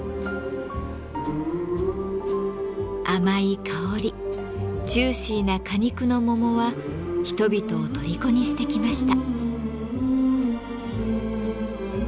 甘い香りジューシーな果肉の桃は人々をとりこにしてきました。